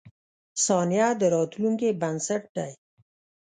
• ثانیه د راتلونکې بنسټ دی.